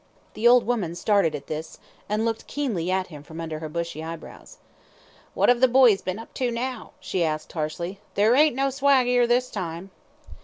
The old woman started at this, and looked keenly at him from under her bushy eyebrows. "What 'av the boys been up to now?" she asked, harshly. "There ain't no swag 'ere this time."